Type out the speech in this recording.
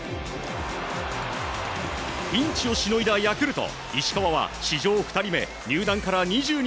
ピンチをしのいだヤクルト。